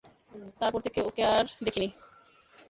তারপর থেকে ওকে আর দেখিনি।